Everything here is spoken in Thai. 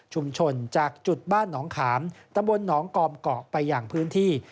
จากจุดบ้านหนองขามตำบลหนองกอมเกาะไปอย่างพื้นที่